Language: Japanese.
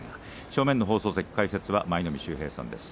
正面の放送席、解説は舞の海秀平さんです。